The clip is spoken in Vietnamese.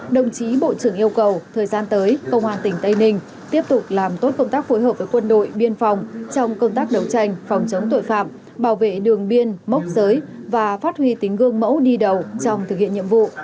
đồng chí bộ trưởng yêu cầu thời gian tới công an tỉnh tây ninh tiếp tục làm tốt công tác phối hợp với quân đội biên phòng trong công tác đấu tranh phòng chống tội phạm bảo vệ đường biên mốc giới và phát huy tính gương mẫu đi đầu trong thực hiện nhiệm vụ